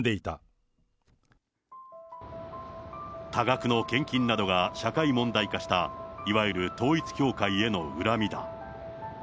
多額の献金などが社会問題化した、いわゆる統一教会への恨みだ。